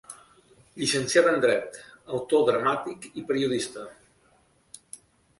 Llicenciat en dret, autor dramàtic i periodista.